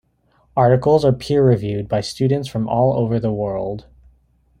Articles are peer reviewed by students from all over the world.